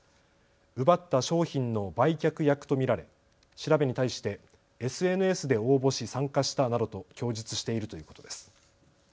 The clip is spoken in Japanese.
奪った商品の売却役と見られ調べに対してＳＮＳで応募し参加したなどと供述しているということです。